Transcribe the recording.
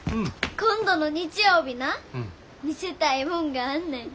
今度の日曜日な見せたいもんがあんねん。